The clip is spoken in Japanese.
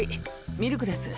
ミルクです。